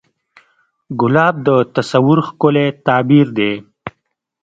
ګلاب د تصور ښکلی تعبیر دی.